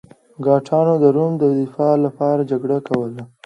ګاټانو د روم د دفاع لپاره جګړه کوله.